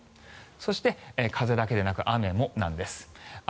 そして、風だけでなく雨もなんです。